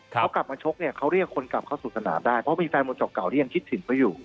เขากลับมาชกเนี่ยเขาเรียกคนกลับเข้าสู่สนามได้เพราะมีแฟนโมจบเก่าที่ยังคิดถึงเขาอยู่